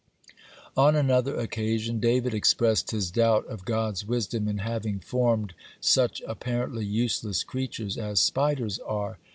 (46) On another occasion David expressed his doubt of God's wisdom in having formed such apparently useless creatures as spiders are.